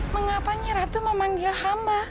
mengapa nyeratu memanggil hamba